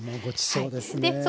ごちそうですね。